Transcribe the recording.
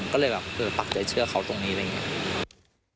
ก็เลยแบบปลักใจเชื่อเขาตรงนี้แบบแบบนี้